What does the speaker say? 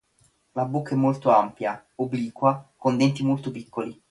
La bocca è molto ampia, obliqua, con denti molto piccoli.